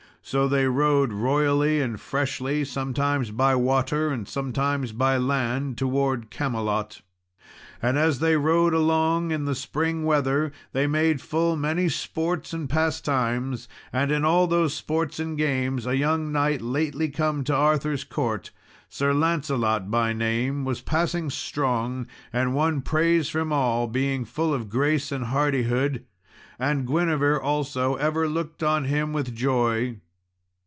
So they rode royally and freshly, sometimes by water and sometimes by land, towards Camelot. And as they rode along in the spring weather, they made full many sports and pastimes. And, in all those sports and games, a young knight lately come to Arthur's court, Sir Lancelot by name, was passing strong, and won praise from all, being full of grace and hardihood; and Guinevere also ever looked on him with joy.